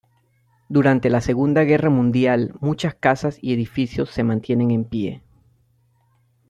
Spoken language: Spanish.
Durante la Segunda Guerra Mundial muchas casas y edificios se mantienen en pie.